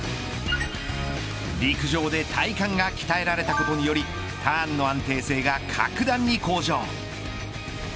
陸上で体幹が鍛えられたことによりターンの安定性が格段に向上。